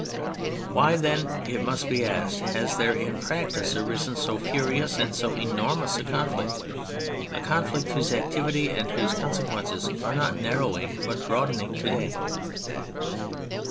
Why, then, it must next be asked, has there in practice arisen so furious and so enormous a conflict, a conflict whose activity and whose consequence are not narrowing but broadening to day